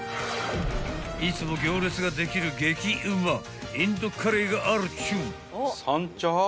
［いつも行列ができる激うまインドカレーがあるっちゅう］